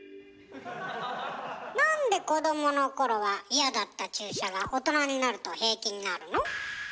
なんで子どものころは嫌だった注射が大人になると平気になるの？